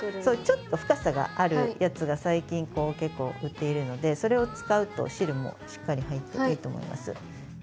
ちょっと深さがあるやつが最近結構売っているのでそれを使うと汁もしっかり入っていいと思います。